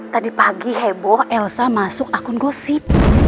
tadi pagi heboh elsa masuk akun gosip